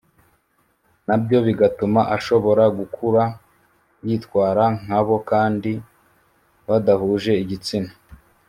nabyo bigatuma ashobora gukura yitwara nka bo kandi badahuje igitsina